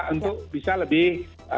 untuk bisa lebih